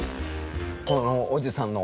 このおじさんの。